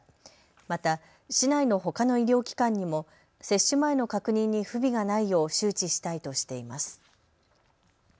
また市内のほかの医療機関にも接種前の確認に不備がないよう周知したいとしています。